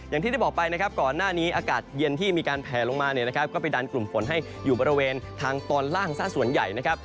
อย่างที่ได้บอกไปนะครับก่อนหน้านี้อากาศเย็นที่มีการแผลลงมาเนี่ยนะครับก็ไปดันกลุ่มฝนให้อยู่บริเวณทางตอนล่างซะส่วนใหญ่นะครับ